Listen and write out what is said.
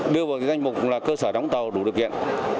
đưa vào doanh mục cơ sở đóng tàu đủ điều kiện